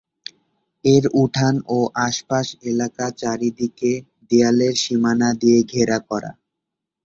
এর উঠান ও আশপাশ এলাকা চারদিকে দেয়ালের সীমানা দিয়ে ঘেরা করা।